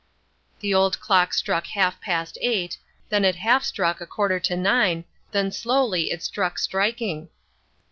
The old clock struck half past eight, then it half struck a quarter to nine, then slowly it struck striking.